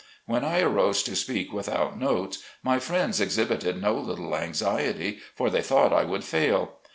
When I arose to speak without notes my friends exhibited no little anxiety, for they thought I would fail.